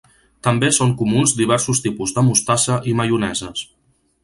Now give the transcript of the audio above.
També són comuns diversos tipus de mostassa i maioneses.